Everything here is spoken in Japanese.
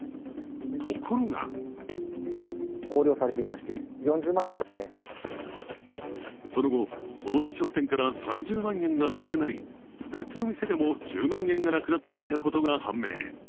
ところがその後、この飲食店から３０万円がなくなり、別の店でも１０万円がなくなっていたことが判明。